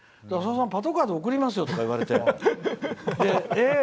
パトカーで送りますよって言われてえ？